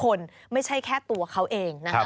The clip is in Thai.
คนไม่ใช่แค่ตัวเขาเองนะครับ